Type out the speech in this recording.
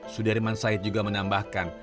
sudirman said juga menambahkan